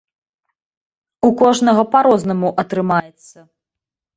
У кожнага па-рознаму атрымаецца.